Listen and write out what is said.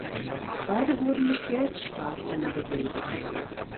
Beide wurden mit Geldstrafen belegt.